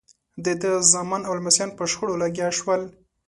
د ده زامن او لمسیان په شخړو لګیا شول.